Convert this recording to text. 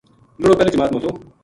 لُڑو پہلی جماعت ما تھو